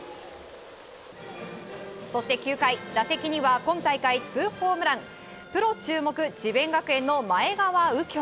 そして９回打席には今大会２ホームランプロ注目、智弁学園の前川右京。